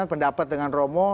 beda pendapat dengan romo